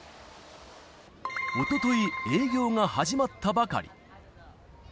おととい営業が始まったばかり。